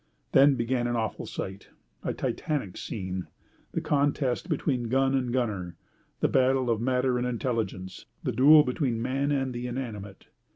Then began an awful sight; a Titanic scene; the contest between gun and gunner; the battle of matter and intelligence, the duel between man and the inanimate.